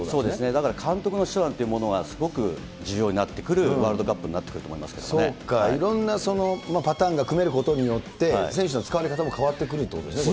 だから監督の手腕というものが、すごく重要になってくるワールドカップになってそうか、いろんなパターンが組めることによって、選手の使われ方も変わってくるということですね。